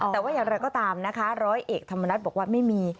แต่ว่าอย่างไรก็ตามนะคะร้อยเอกธรรมนัฏบอกว่าไม่มี